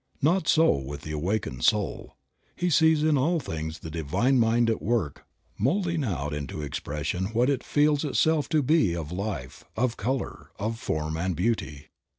Not so with the awakened soul. He sees in all things the Divine Mind at work molding out into expression what it feels itself to be of life, of color, of form and beauty.